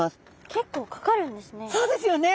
結構かかるんですね。